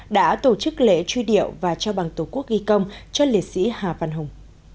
đã tổ chức lễ truy điệu và trao bằng tổ quốc ghi công cho liệt sĩ hà văn hùng